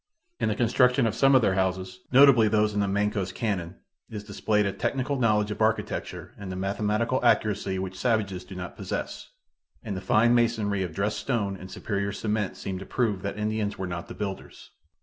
In the construction of some of their houses, notably those in the Mancos Canon, is displayed a technical knowledge of architecture and a mathematical accuracy which savages do not possess; and the fine masonry of dressed stone and superior cement seem to prove that Indians were not the builders.